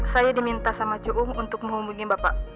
saya diminta sama juung untuk menghubungi bapak